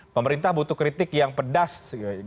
pemerintah butuh kritik yang pedas